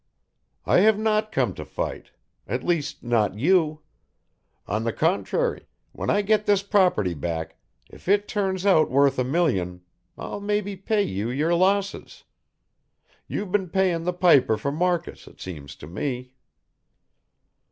"I have not come to fight. At least not you. On the contrary, when I get this property back, if it turns out worth a million, I'll maybe pay you your losses. You've been paying the piper for Marcus, it seems to me."